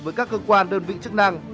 với các cơ quan đơn vị chức năng